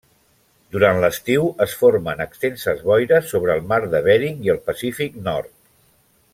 Durant l'estiu, es formen extenses boires sobre el mar de Bering i el Pacífic Nord.